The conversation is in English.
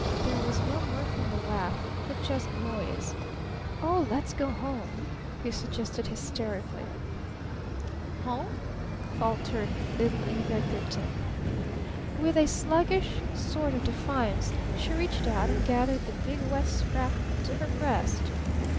There was no mirth in the laugh, but just noise. "Oh, let's go home!" he suggested hysterically. "Home?" faltered little Eve Edgarton. With a sluggish sort of defiance she reached out and gathered the big wet scrap book to her breast.